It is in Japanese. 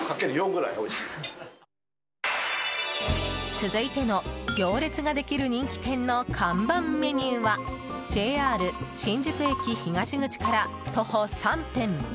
続いての行列ができる人気店の看板メニューはＪＲ新宿駅東口から徒歩３分